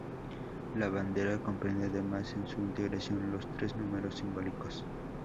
La bandera comprende además en su integración los tres números simbólicos.